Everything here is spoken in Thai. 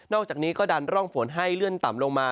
อกจากนี้ก็ดันร่องฝนให้เลื่อนต่ำลงมา